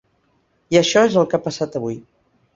I això és el que ha passat avui.